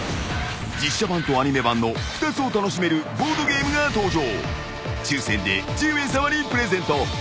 ［実写版とアニメ版の２つを楽しめるボードゲームが登場］